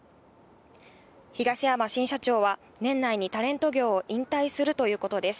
東山新社長は、年内にタレント業を引退するということです。